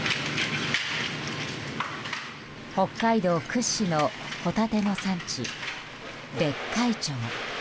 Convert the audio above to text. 北海道屈指のホタテの産地別海町。